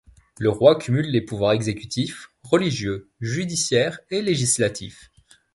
Le roi cumule les pouvoirs exécutif, religieux, judiciaire et législatif.